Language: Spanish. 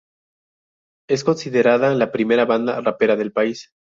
Es considerada la primera banda rapera del país.